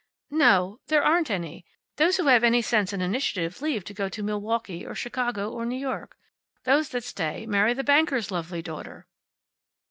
"No. There aren't any. Those who have any sense and initiative leave to go to Milwaukee, or Chicago, or New York. Those that stay marry the banker's lovely daughter."